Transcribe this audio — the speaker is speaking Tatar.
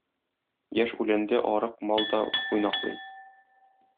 Яшь үләндә арык мал да уйнаклый.